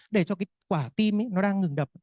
để cho cái quả tim nó đang ngừng đập